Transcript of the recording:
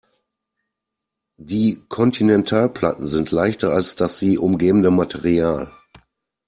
Die Kontinentalplatten sind leichter als das sie umgebende Material.